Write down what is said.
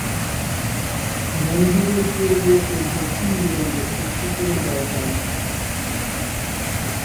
মন্দিরের পূর্ব ও দক্ষিণ দেয়ালে একটি করে দরজা আছে।